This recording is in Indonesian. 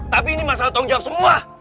tapi ini masalah tanggung jawab semua